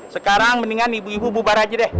sekarang mendingan ibu ibu bubar aja deh